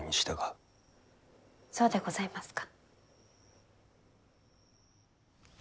そうでございますか。